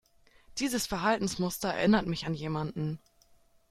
Dieses Verhaltensmuster erinnert mich an jemanden.